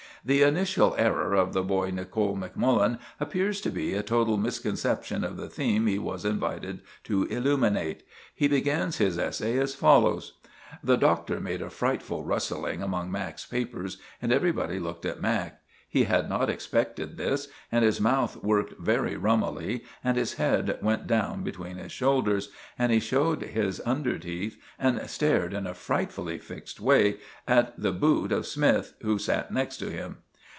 "The initial error of the boy Nicol Macmullen appears to be a total misconception of the theme he was invited to illuminate. He begins his essay as follows." The Doctor made a frightful rustling among Mac.'s papers, and everybody looked at Mac. He had not expected this, and his mouth worked very rummily, and his head went down between his shoulders, and he showed his under teeth and stared in a frightfully fixed way at the boot of Smythe, who sat next to him.